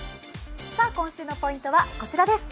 今週のポイントはこちらです。